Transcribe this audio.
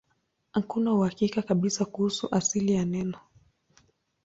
Hakuna uhakika kabisa kuhusu asili ya neno.